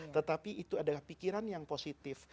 tetapi itu adalah pikiran yang positif